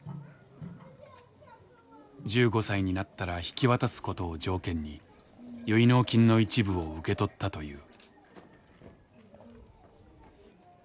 １５歳になったら引き渡すことを条件に結納金の一部を受け取ったという。